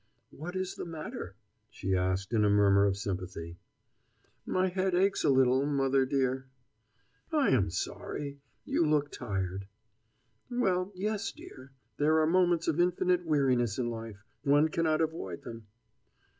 "What is the matter?" she asked in a murmur of sympathy. "My head aches a little, mother dear." "I am sorry. You look tired." "Well, yes, dear. There are moments of infinite weariness in life. One cannot avoid them."